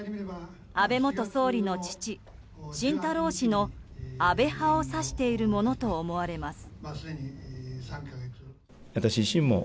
安倍元総理の父・晋太郎氏の安倍派を指しているものと思われます。